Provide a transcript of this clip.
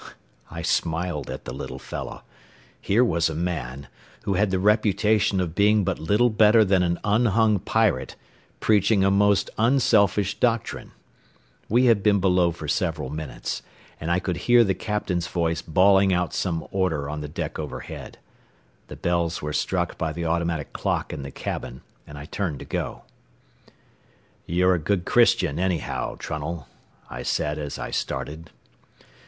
I smiled at the little fellow. Here was a man, who had the reputation of being but little better than an unhung pirate, preaching a most unselfish doctrine. We had been below for several minutes, and I could hear the captain's voice bawling out some order on the deck overhead. The bells were struck by the automatic clock in the cabin, and I turned to go. "You're a good Christian, anyhow, Trunnell," I said as I started.